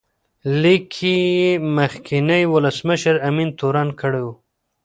لیک کې یې مخکینی ولسمشر امین تورن کړی و.